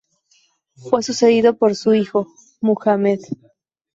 Fue sucedido por su hijo, Muhammad.